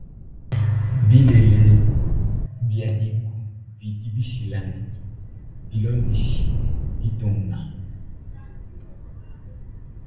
Bilele bia dîku bidi bishilangane bilondeshile ditunga.